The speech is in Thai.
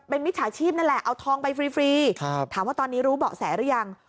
มิจฉาชีพนั่นแหละเอาทองไปฟรีถามว่าตอนนี้รู้เบาะแสหรือยัง